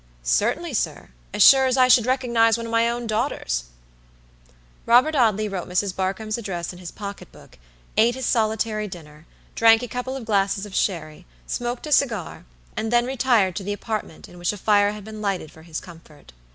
"Certainly, sir. As sure as I should recognize one of my own daughters." Robert Audley wrote Mrs. Barkamb's address in his pocket book, ate his solitary dinner, drank a couple of glasses of sherry, smoked a cigar, and then retired to the apartment in which a fire had been lighted for his comfort.